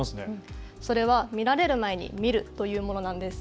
それは見られる前に見るというものなんです。